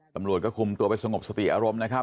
ตำรวจก็คุมตัวไปสงบสติอารมณ์นะครับ